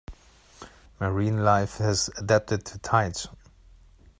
Marine life has adapted to tides.